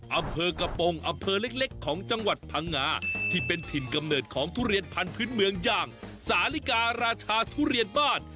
อำเภอกระโปรงอำเภอเล็กของจังหวัดพังงาที่เป็นถิ่นกำเนิดของทุเรียนพันธุ์เมืองอย่างสาลิการาชาทุเรียนบ้าน